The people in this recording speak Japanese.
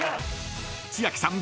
［千秋さん